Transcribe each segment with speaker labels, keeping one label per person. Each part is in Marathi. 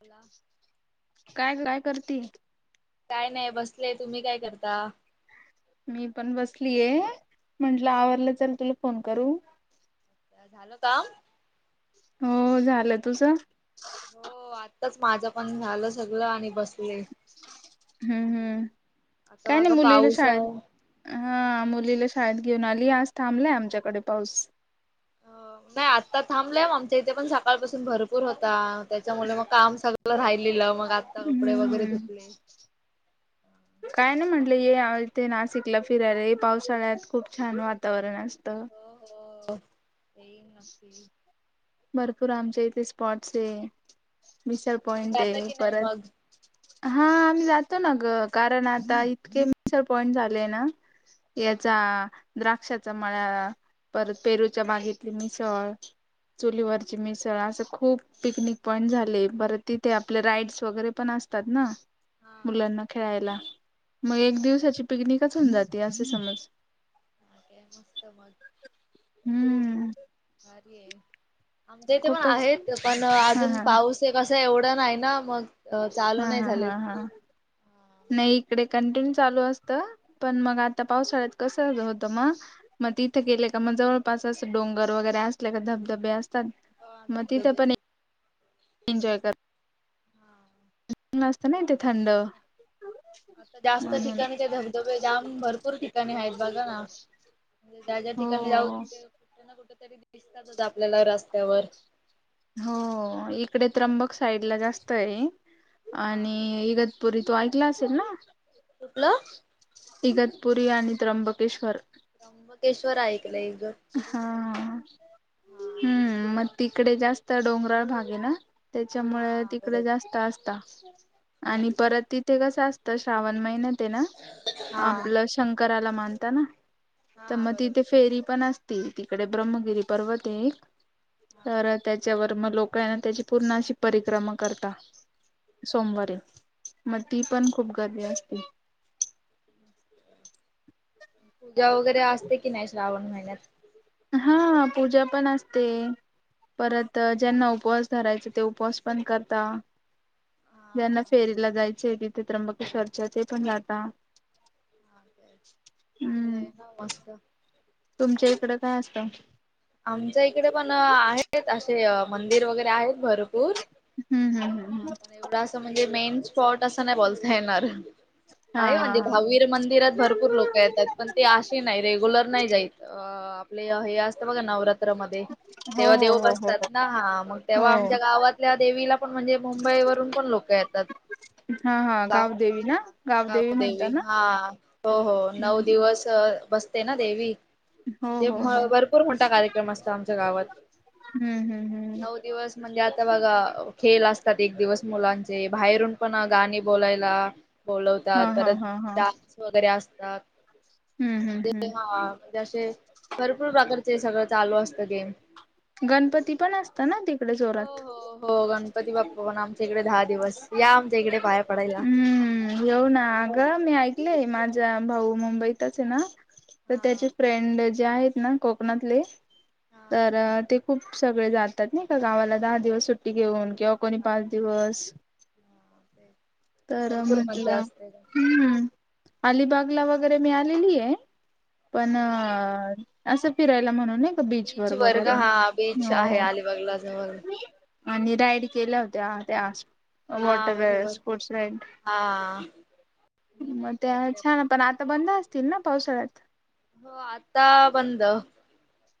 Speaker 1: बला
Speaker 2: काय काय करतील
Speaker 1: काय नाही बसलेय तुम्ही काय करता
Speaker 2: मी पण बसलीय म्हटलं आवरलं चल तुला फोन करू
Speaker 1: झालं का
Speaker 2: हो झालं तुझं
Speaker 1: हो आत्ताच माझं पण झालं सगळ आणि बस
Speaker 2: हम्म हम्म
Speaker 1: आता
Speaker 2: काय नाही
Speaker 1: बघा
Speaker 2: मुलीना
Speaker 1: पाऊस
Speaker 2: शाळेत
Speaker 1: आहे.
Speaker 2: हा
Speaker 1: अच्छा.
Speaker 2: मुलीला शाळेत घेऊन आली आज थांबलाय आमच्याकडे पाऊस
Speaker 1: अ नाही आत्ता थांबलं मग आमच्या इथे पण सकाळपासून भरपूर होता. त्याच्यामुळे मग काम सगळं राहिलेलं मग आत्ता कपडे वगैरे
Speaker 2: हम्म
Speaker 1: धुतले
Speaker 2: [inaudible] काय नाही म्हंटलं ये इथे नाशिकला फिरायला पावसाळ्यात खूप छान वातावरण असतं.
Speaker 1: हो हो येईल नक्की,
Speaker 2: भरपूर आमच्या इथे स्पॉट्स आहे मिसळ
Speaker 1: तुम्ही
Speaker 2: पॉइंट
Speaker 1: जाता
Speaker 2: आहे
Speaker 1: की नाही मग?
Speaker 2: परत हा आम्ही जातो ना ग कारण आता इतके मि्सर पॉइंट झाले ना,
Speaker 1: हा.
Speaker 2: याचा द्राक्षाचा मळा परत पेरूच्या बागी, मिसळ चुलीवरची मिसळ असं खूप पिकनिक पॉईंट झाले पररं तिथे आपले राइड्स वगैरे पण अस ात ना
Speaker 1: हा
Speaker 2: मुलांना खेळायला मग
Speaker 1: अच्छा.
Speaker 2: एक दिवसाची पिकनिकच होऊन जाते असे समज,
Speaker 1: हा मस्त मग
Speaker 2: हम्म
Speaker 1: आमच्या इथे पण
Speaker 2: खूपच
Speaker 1: आहेत पण
Speaker 2: हा
Speaker 1: अजून
Speaker 2: हा
Speaker 1: पाऊस कसं एवढं नाही ना मग चालू
Speaker 2: हा
Speaker 1: नाही
Speaker 2: हा
Speaker 1: झाले.
Speaker 2: हा हा नाही इकडे कंटिन्यू चालू असतं पण मग आता पावसाळ्यात कसं होतं मग मग तिथे गेले का मग जवळपास असं डोंगर वगैरे असले का धबधबे असतात.
Speaker 1: हा
Speaker 2: मती तर
Speaker 1: धबधबे
Speaker 2: पण
Speaker 1: ते.
Speaker 2: एन्जॉय कर असत ना इथे थंड
Speaker 1: आता जास्त
Speaker 2: म्हणून
Speaker 1: ठिकाणी ते धबधबे जाम भरपूर ठिकाणी आहेत बघा ना, म्हणजे ज्या ज्या ठिकाणी जाऊ
Speaker 2: हो
Speaker 1: तिथे कुठे ना कुठ तरी दिसतातच आपल्याला रस्त्यावर
Speaker 2: हो इकडे त्र्यंबक साईड ला जास्त आहे
Speaker 1: हा.
Speaker 2: आणि इग तरी तू ऐकला असेल ना,
Speaker 1: तुकलं
Speaker 2: इगत पुरी आणि आणि त्र्यंबकेश्वर
Speaker 1: त्र्यंबकेश्वर ऐकलं एक ग
Speaker 2: हा ह हम्म मग तिकडे जास्त डोंगराळ भाग आहे ना त्याच्यामुळे
Speaker 1: हा
Speaker 2: तिकडे
Speaker 1: बरोबर.
Speaker 2: जास्त असत आणि
Speaker 1: अच्छा.
Speaker 2: परत त ते कसं असतं श्रावण महिन ते ना
Speaker 1: हा.
Speaker 2: आपलं शंकराला मानता ना, तर
Speaker 1: हा
Speaker 2: मग
Speaker 1: बरोबर
Speaker 2: तिथे फेरी पण असती तिकडे ब्रह्मगिरी पर्वत आहे.
Speaker 1: हा.
Speaker 2: तर त्याच्यावर मग लोक ना त्याची पूर्ण अशी परिक्रमा करता, सोमवारी मग ती पण खूप गर्दी असते.
Speaker 1: पूजा वगैरे असते की नाही श्रावण महिन्यात
Speaker 2: हा पूजा पण असते. परत ज्यांना उपवास धरायचा ते उपवास पण करता, ज्यांना
Speaker 1: हा
Speaker 2: फेरीला जायचं तिथे त्र्यंबक चर्चाचे पण जाता
Speaker 1: चांगलं
Speaker 2: हम्म
Speaker 1: आहे ना मस्त
Speaker 2: तुमच्या इकडं काय असतं.
Speaker 1: आमच्या इकडे पण आहेत असे मंदिर वगैरे आहेत भरपूर
Speaker 2: हम् हम्म
Speaker 1: हा
Speaker 2: हम्म हम्
Speaker 1: पण एवढा असं म्हणजे मेन स्पॉट असं नाही बोलता येणार,
Speaker 2: हा
Speaker 1: आहे
Speaker 2: हा
Speaker 1: म्हणजे
Speaker 2: हा.
Speaker 1: दहावीर मंदिरात भरपूर लोक येतात पण ते नाही रेग्युलर नाही जाय आपले हे असत बघ नवरात्रमध्येध्ये
Speaker 2: हो
Speaker 1: तेव्हा
Speaker 2: हो
Speaker 1: देव
Speaker 2: हो हो
Speaker 1: बसतात ना हा मग
Speaker 2: हो
Speaker 1: तेव्हा
Speaker 2: हो
Speaker 1: आमच्या गावातल्या देवीला पण म्हणजे मुंबई वरून पण लोक येता.
Speaker 2: हा हा गावदेवी ना
Speaker 1: अ
Speaker 2: गावदेवी
Speaker 1: गदेवी
Speaker 2: म्हणता ना?
Speaker 1: हा हो हो नऊ
Speaker 2: हम्म
Speaker 1: दिवस बसते ना देवी
Speaker 2: हो
Speaker 1: म्हणे
Speaker 2: हो हो
Speaker 1: मोठा कार्यक्रम असत आमच्या गावात
Speaker 2: हम्म हम्म हम्म
Speaker 1: नऊ दिवस म्हणजे म्हणजे आता बघा खेल असतात एक दिवस मुलांचे बाहेरून पण गाणी बोलायला
Speaker 2: हा
Speaker 1: बोलवतात
Speaker 2: हा हा हा
Speaker 1: परत वरे
Speaker 2: हम्म हम्म
Speaker 1: असताते
Speaker 2: हम्म
Speaker 1: हा म्हणजे असे भरपूर प्र ते सगळं चालू असतं गेम
Speaker 2: गणपती पण असत ना तिकडे जोरात
Speaker 1: हो हो हो गणपती बाप्पा पण आमच्या इकडे दहा दिवस या आमच्या इकडे पाया पडायला
Speaker 2: हम्म येऊ ना अगं मी ऐकले माझा भाऊ मुंबईतच आहे ना तर त्याचे फ्रेंड जे आहेत ना कोकणातले
Speaker 1: हा
Speaker 2: तर ते खूप सगळे जातात नाही का गावाला दहा दिवस सुट्टी घेऊन किंवा कोणी पाच दिवस
Speaker 1: हा ते
Speaker 2: तर
Speaker 1: भरपूर मज्जा
Speaker 2: म्हटलं
Speaker 1: असते गणपतीत
Speaker 2: हम्म अलिबागला वगैरे मिीळालेली आहे पण
Speaker 1: हा काय
Speaker 2: असं फिरायला म्हणूनय का बीच वर
Speaker 1: वर्ग
Speaker 2: वगैरे
Speaker 1: हा बीच आहे
Speaker 2: हो
Speaker 1: अलिबागला जवळ
Speaker 2: आणि राईड केल्या होत्या त्या
Speaker 1: हा
Speaker 2: वॉटर
Speaker 1: बरोबर
Speaker 2: स्पोर्ट्स
Speaker 1: हा मी नाही
Speaker 2: मग
Speaker 1: ते एकदा
Speaker 2: पण
Speaker 1: केलं.
Speaker 2: आता बंद असतील ना पावसाळ्यात
Speaker 1: हो आता बंद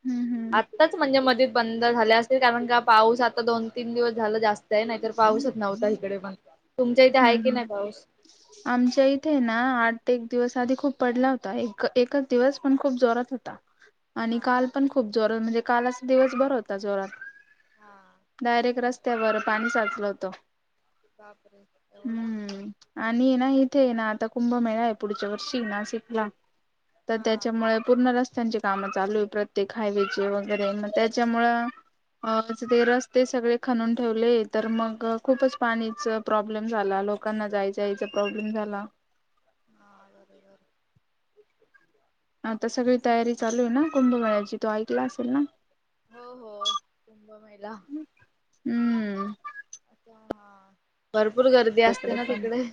Speaker 2: हम्म हम्म
Speaker 1: आताच म्हणजे मध्ये बंद झाले अस कारण का पाऊस आता दोन तीन दिवस झाला जास्त नाहीत तर पाऊसच नव्हता इकडे पण तुमच्या इथे आहे की नाही पाऊस
Speaker 2: ह आमच्या इथे ना आठ ते एक दिवस आधी खूप पडला होता एक एकच दिवस पण खूप जोरात होता [inaudible] आणि
Speaker 1: हा
Speaker 2: काल
Speaker 1: का
Speaker 2: पण खूप जोरात म्हणजे कालचा दिवस बर होता जोरात
Speaker 1: हा
Speaker 2: डायरेक्ट रस्त त्यावर पाणी साचलं होतं
Speaker 1: बापर एवढा
Speaker 2: हम्म आणि ना इथे आहे ना आता कुंभमेळा आहे पुढच्या वर्षी ना सिकला तर
Speaker 1: हा
Speaker 2: त्याच्यामुळे पूर्ण रस्त त्यांची कामं चालू आहे प्रत्येक हायवे चे वगैरे मग त्याच्यामुळ अ ते रस्ते सगळे खणून ठेव ले तर मग खूपच पाणीच प्रॉब्लेम झाला लोकांना जायचयचा प्रॉब्लेम झाला
Speaker 1: हा बर बर
Speaker 2: आता सगळी तयारी चालू आहे ना कुंभमेळची तो ऐकला असेल ना
Speaker 1: हो हो कुंभ मेला
Speaker 2: हम्म
Speaker 1: हा भरपूर गर्दी असते
Speaker 2: इकडे
Speaker 1: ना
Speaker 2: पण
Speaker 1: तिकडे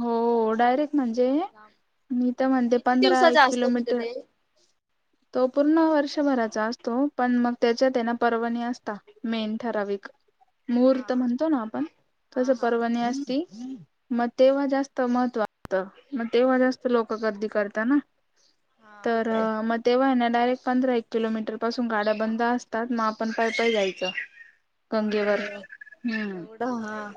Speaker 2: हो डायरेक्ट म्हणजे
Speaker 1: लांब लांब
Speaker 2: मी तर म्हणतेे
Speaker 1: किती
Speaker 2: पंधरा एक
Speaker 1: दिवसाचा असतो मग
Speaker 2: किलोमीटर
Speaker 1: ते?
Speaker 2: तो पूर्ण वर्षभराचा असतो पण मग त्याच्यात ना पर्वाणी असता मेन ठराविक
Speaker 1: हा
Speaker 2: महूर्त म्हणतो ना आपण कस
Speaker 1: हा हा
Speaker 2: पर्वणी असती मग तेव्हा जास्त महत्व असतं मग तेव्हा जास्त लोकं गर्दी करतात ना
Speaker 1: हा
Speaker 2: तर
Speaker 1: काय
Speaker 2: म तेव्हा आहे ना डायरेक्ट पंधरा एक किलोमीटर पासून गाड्या बंद असतात मग पण पाय पय जायचं
Speaker 1: बापरे
Speaker 2: कंगेवरर हम्म
Speaker 1: हा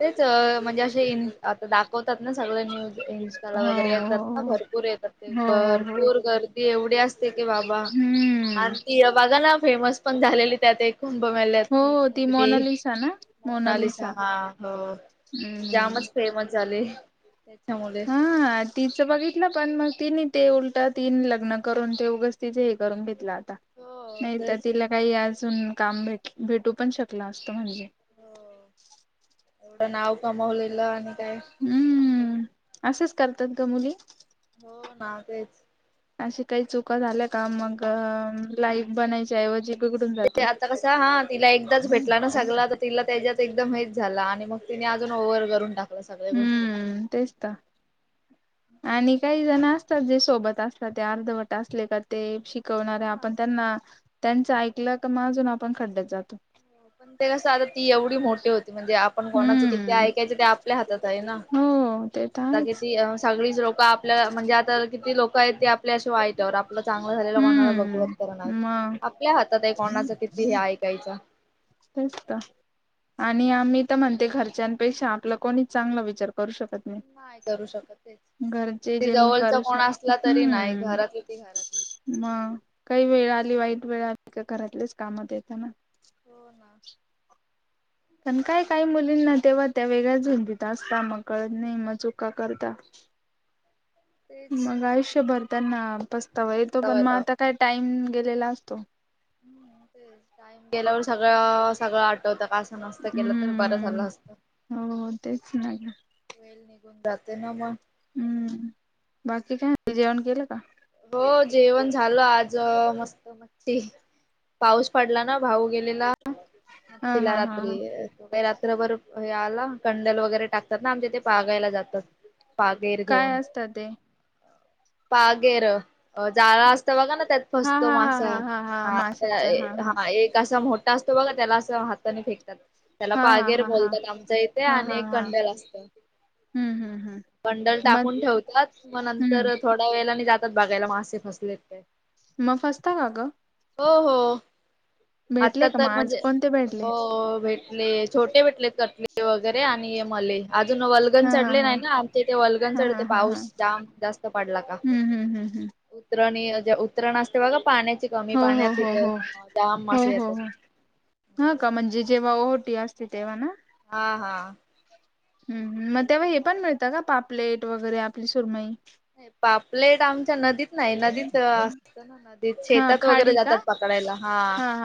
Speaker 1: तेच म्हणजे असे इन आता दाखवतात ना सगळ न्यूज इन वगैरे
Speaker 2: हो
Speaker 1: येतात ना
Speaker 2: हो
Speaker 1: भरपूर येतात ते
Speaker 2: हो हो हो
Speaker 1: भरपूर गर्दी एवढी अस बाबा
Speaker 2: हम्म
Speaker 1: आणि ती बघा ना फेमस पण झालेली त्यात एक कुंभमेल्या तीप
Speaker 2: हो ती
Speaker 1: मुलगी
Speaker 2: मोनालिसा ना
Speaker 1: मोनाली
Speaker 2: मोनालिसा
Speaker 1: सहा हो
Speaker 2: हम्म
Speaker 1: जामच फेमस झाले त्याच्यामुळे
Speaker 2: हा तिचं बघितलं पण मग तिने ते उलट तीन लग्न करून ते उगच तिच हे करून घेतलं आता
Speaker 1: हो
Speaker 2: नाही तर
Speaker 1: तेच
Speaker 2: तिला
Speaker 1: ना
Speaker 2: काही अजून काम भट भेटू पण शकला असतो म्हणजे
Speaker 1: हो एवढं नाव कमावलेलं आणि काय
Speaker 2: हम्म असंच करतात ग मुली
Speaker 1: हो ना तेच
Speaker 2: अशी काही चुका झाल्या का मग लाईट बनायच्याऐवजी
Speaker 1: ते आता कस हा तिला एकदाच भेटला ना सगला तिला त्याच्याच एकदम हेच झाला आणि मग तिने अजून ओव्हर करून टाकला सगळ्या गोष्टी
Speaker 2: हम्म तेच का आणि काही जण असतात जे सोबत असत ते अर्धवट असले का ते शिक शिकवणारे आपण त्यांना त्यांच ऐकलं क मा अजून आपण खड्ड्यात जातो
Speaker 1: पण ते कसं आता ती एवढी मोठे होती म्हणजे आपण कोणाचं किती ऐकायचं ते आपल्या हातात आहे ना
Speaker 2: हम्
Speaker 1: आता किती सगळीच लोक आपल्या म्हणजे आता किती लोक आहेत ते आपल्याशी वाय आपलं चांगलं झालेलं कोणाला बघव
Speaker 2: हम्म
Speaker 1: तर नाही
Speaker 2: मग
Speaker 1: आपल्या हातात आहे कोणाचं किती हे ऐकायचं
Speaker 2: तेस का आणि आम्ही तर म्हणते घरच्यांपेक्षा आपला कोणी चांगला विचार करू शकत नाही
Speaker 1: नाही करू शकतच
Speaker 2: घरचे
Speaker 1: तिथ
Speaker 2: जे
Speaker 1: जवळचा
Speaker 2: करू श
Speaker 1: कोण असला तरी नाही
Speaker 2: हम्म
Speaker 1: घरातली ती घरातली
Speaker 2: मग काही वेळ आली वाईट वेळ आली का घरातलेच कामात येत ना
Speaker 1: हो ना
Speaker 2: पण काय काही मुलींना तेव्हा त्या वेगळ्याच धुंदीत असताात मग कळत नाही मग चुका करता
Speaker 1: तेच
Speaker 2: मग आयुष्यभर त्यांना पस्तावा येतो पण मग
Speaker 1: पस्तावायला
Speaker 2: आता काय टाइम गेलेला असतो
Speaker 1: ते का गेल्यावर सगळं सगळं आठवतं का नसत केलं तर बरं झाला
Speaker 2: हम्म
Speaker 1: असत
Speaker 2: हो तेच नाही
Speaker 1: वेल निघून जाते ना मग
Speaker 2: हम्म बाकी काय जेवण केलं का
Speaker 1: हो जेवण झालं आज मस्त मटी पाऊस पडला ना भाऊ गेलेला
Speaker 2: हा
Speaker 1: मछीला
Speaker 2: हा हा हा
Speaker 1: रात्री रात्रभर आला कंडल वगैरे टाकतात ना आमच्याथे पागायला जातात पागेर
Speaker 2: काय
Speaker 1: घेऊन
Speaker 2: असतं ते
Speaker 1: पागेर जाळा असत बघा ना त्यात
Speaker 2: हा
Speaker 1: फस्तो
Speaker 2: हा हा
Speaker 1: मासा
Speaker 2: हा
Speaker 1: हा
Speaker 2: माशाच
Speaker 1: हा एक कसा मोठा असतो बघा त्याला असं हाताने फेकतात त्याला
Speaker 2: हा हा
Speaker 1: पागेर
Speaker 2: हा हा
Speaker 1: बोलतात आमच्या इथे
Speaker 2: हा
Speaker 1: आणि
Speaker 2: हा
Speaker 1: एक
Speaker 2: हा
Speaker 1: कंड्याल असतं
Speaker 2: हम्म हम्म हम्म
Speaker 1: बंडल
Speaker 2: मग
Speaker 1: टाकून ठेवतात मग
Speaker 2: हम्म
Speaker 1: नंतर थोड ड वेळेला जातात बघायला मासे फसलेत काय.
Speaker 2: मग फस्ता का कां
Speaker 1: हो हो आता
Speaker 2: भेटले का मग
Speaker 1: तर
Speaker 2: आज
Speaker 1: म्हणजे
Speaker 2: कोणते भेटले
Speaker 1: हो भेट ले छोटे भेटलेत कटले वगैरे आणि मले अजून वलगन
Speaker 2: हा हा
Speaker 1: चढले
Speaker 2: हा
Speaker 1: नाही ना आम तेथे वल्गन
Speaker 2: हा हा
Speaker 1: चढते
Speaker 2: हा हा
Speaker 1: पाऊस जाम जास्त पडला का
Speaker 2: हम्म हम्म हम्म हम्म
Speaker 1: उतरणी ज उतरण असते बघा पाण्याची कमी
Speaker 2: हो
Speaker 1: पाण्यात
Speaker 2: हो हो
Speaker 1: तिथे
Speaker 2: हो
Speaker 1: जाम मसे येतात
Speaker 2: ह का म्हणजे जेव्हा ओहटी असते तेव्हा ना.
Speaker 1: हा हा
Speaker 2: हम् मग तेव्हा
Speaker 1: भरपूर
Speaker 2: हे पण
Speaker 1: पाव
Speaker 2: मिळतं का पापलेट वगैरे आपली सुरमई
Speaker 1: पापलेट आमच्या नदीत नाही नदीत असत ना नदीत
Speaker 2: हा
Speaker 1: शेतात वगैरे
Speaker 2: खाडी का
Speaker 1: जातात पकडायला हा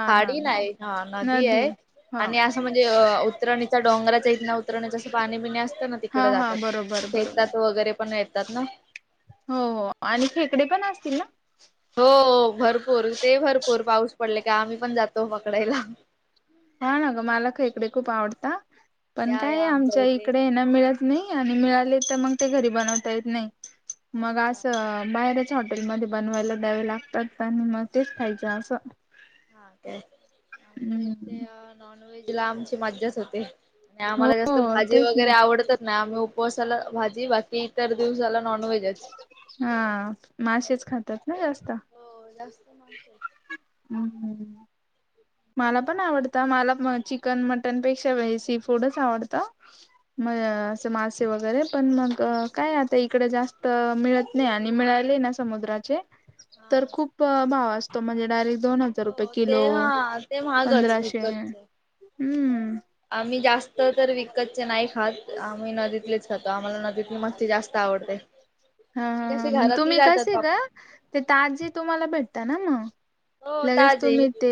Speaker 1: खाडी नाही हा नदी आहे
Speaker 2: हा
Speaker 1: आणि असं म्हणजे अ उतरणीच्या डंगराच्या इतना उतरण्याच असं पाणी पिणी असतं ना
Speaker 2: हा
Speaker 1: तिकडे
Speaker 2: हा
Speaker 1: जातात
Speaker 2: बरोबर बरोबर
Speaker 1: शेतात वगैरे पण येतात ना
Speaker 2: हो आणि खेकडे पण असतील ना
Speaker 1: हो भरपूर ते भरपूर पाऊस पडले का आम्ही पण जातो पकडायला
Speaker 2: हा ना ग मला ख इकडे खूप आवडत पण
Speaker 1: या
Speaker 2: काय
Speaker 1: या
Speaker 2: आमच्या
Speaker 1: इथे
Speaker 2: इकडे ना मिळत नाही आणि मिळाले तर मग घरी बनता येत नाही मग अस
Speaker 1: अच्छा.
Speaker 2: बाहेर हॉटेल मध्ये बनवायला द्यावे लागतात आणि मग तेच खायचं असं
Speaker 1: हा तेय आमच्या
Speaker 2: हम्म
Speaker 1: इथे नॉन व्हेज ला आमची मज्जाच होती
Speaker 2: हो
Speaker 1: आम्हाला जास्त
Speaker 2: हो,
Speaker 1: भाजी
Speaker 2: तेच ना
Speaker 1: वगैरे आवडतच ना य आम्ही उपवासाला भाजी बाकी इतर दिवसाला न. य
Speaker 2: हा मासेच खातात ना जास्त
Speaker 1: हो जास्त माणसच
Speaker 2: हम् हम् मला पण आवडत मला चिकन मटनपेक्षा सी फूडच आवडतं. मग असे मासे वगैरे पण मग काय आता इकडे जास्त मिळत. नाही आणि मिळाले ना समुद्राचे तर
Speaker 1: हा
Speaker 2: खूप भाव असतो म्हणजे डायरेक्ट दोन हजार रुपये
Speaker 1: हो ते
Speaker 2: किलो
Speaker 1: हा ते महागच
Speaker 2: पंधराशे
Speaker 1: विकतच
Speaker 2: हम्म
Speaker 1: आम्ही जास्त तर विकतचे नाही खात आमही नदीतलीच खातो आम्हाला नदीतली मस्ती जास्त आवडते
Speaker 2: हा
Speaker 1: आणि कशी घरातली
Speaker 2: तुम्ही
Speaker 1: जातात
Speaker 2: कसे
Speaker 1: पाप
Speaker 2: ग ते ताजी तुम्हाला भेटता ना मग
Speaker 1: हो
Speaker 2: लगेच
Speaker 1: ताजे
Speaker 2: तुम्ही ते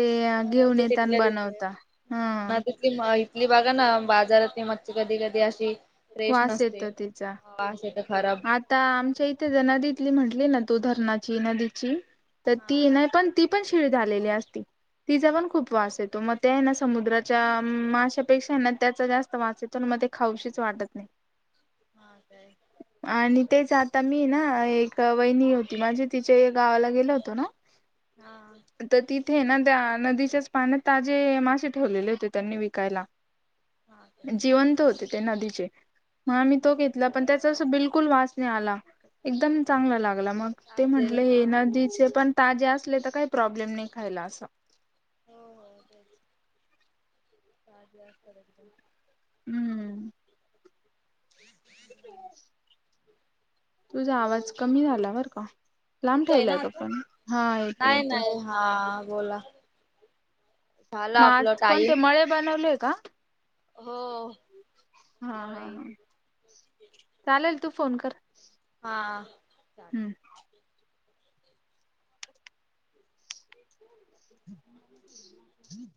Speaker 2: घेऊन येता आणि
Speaker 1: तिथल्या तिथे.
Speaker 2: बनवता
Speaker 1: हा ना
Speaker 2: हम
Speaker 1: इथली बाघा ना बाजारात मचछ कधी कधी अशी फ्रेश
Speaker 2: वास
Speaker 1: नसते
Speaker 2: येतो तिचा
Speaker 1: असे तर खराब
Speaker 2: आता आमच्या इथे ज नदीतली म्हंटली ना तू धरणाची नदीची तर
Speaker 1: हा
Speaker 2: ती नाही पण ती पण शिळ झा आलेली असती तिचा पण खूप वास येतो मग ते आहे ना समुद्राच्या माशापेक्षा आहे ना त्याचा जास्त वास येतो प मध्ये खाऊशीच वाटत नाही
Speaker 1: हा काय
Speaker 2: आणि तेच आता मी ना एक वहिनी होती माझी तिच्या गावाला गेलो होतो ना
Speaker 1: हा
Speaker 2: तर तिथे ना त्या नदीच्याच पाण्यात ताजे मासे ठेवलेले होते त्यांनी विकायला
Speaker 1: हा काय
Speaker 2: जिवंत होते ते नदीचे मग आम्ही तो घेतला पण त्यात
Speaker 1: हा.
Speaker 2: तस बिलकुल वाच आला एकदम चांगला लागला
Speaker 1: हा
Speaker 2: मग ते
Speaker 1: ताजे
Speaker 2: म्हंटलं हे
Speaker 1: हा
Speaker 2: नदीचे पण ताजे असले तर काही प्रॉब्लेम नाही खायला असं
Speaker 1: हो हो तेच पा जास्त एकद
Speaker 2: हम्म
Speaker 1: ह.
Speaker 2: हा. तुझा आवाज कमी झाला बर का लांब
Speaker 1: येतोय ना
Speaker 2: ठेवलाय का
Speaker 1: आता
Speaker 2: पण हा येतो
Speaker 1: नाही
Speaker 2: येतो.
Speaker 1: नाही हा बोला. झाला
Speaker 2: मग
Speaker 1: आपलं
Speaker 2: आज कोणते
Speaker 1: टाईम
Speaker 2: मळे बनवलोय का.
Speaker 1: हो.
Speaker 2: हा हा
Speaker 1: मळे
Speaker 2: हा चालेल तू फोन कर.
Speaker 1: हा चालेल.
Speaker 2: हम्म.
Speaker 1: ह.
Speaker 2: हम्म.